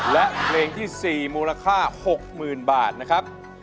และเพลงที่๔มูลค่า๖๐๐๐บาทนะครับ